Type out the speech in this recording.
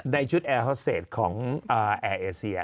ในชุดแอร์ฮอสเซจของแอร์เอเซีย